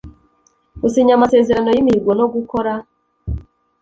gusinya amasezerano y imihigo no gukora